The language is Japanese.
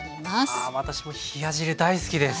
あ私も冷や汁大好きです。